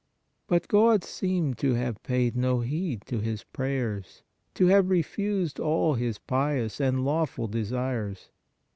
But God seemed to have paid no heed to his prayers, to have refused all his pious and lawful desires.